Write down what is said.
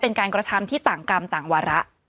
เป็นการกระทำที่ต่างกรรมต่างวาระ